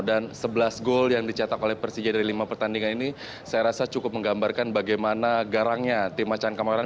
dan sebelas gol yang dicetak oleh persija dari lima pertandingan ini saya rasa cukup menggambarkan bagaimana garangnya tim macan kamaran